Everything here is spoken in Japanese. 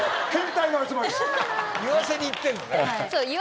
言わせに行ってんのね。